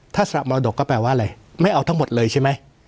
ถ้าสละมรดกก็แปลว่าอะไรไม่เอาทั้งหมดเลยใช่ไหม